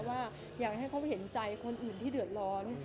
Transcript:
ว่าอยากให้เขาเห็นใจคนอื่นที่เดือดร้อน